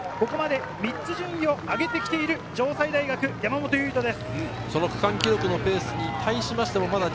３つ順位を上げてきている城西大学・山本唯翔です。